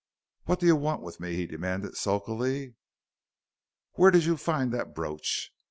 "Wot d'y want with me?" he demanded sulkily. "Where did you find that brooch?"